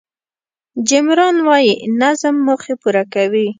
جیم ران وایي نظم موخې پوره کوي.